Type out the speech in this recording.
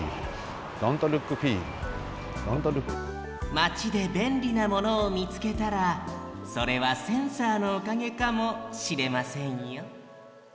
まちでべんりなものをみつけたらそれはセンサーのおかげかもしれませんよ